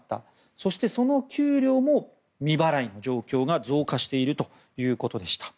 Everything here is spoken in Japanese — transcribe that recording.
そしてその給料も未払いの状況が増加しているということでした。